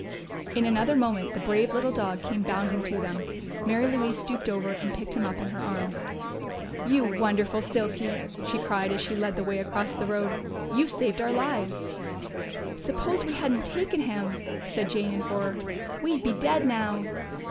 In another moment the brave little dog came bounding to them. Mary Louise stooped over and picked him up in her arms. "You wonderful Silky!" she cried, as she led the way across the road. "You saved our lives!" "Suppose we hadn't taken him!" said Jane in horror. "We'd be dead now."